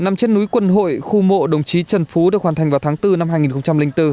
nằm trên núi quân hội khu mộ đồng chí trần phú được hoàn thành vào tháng bốn năm hai nghìn bốn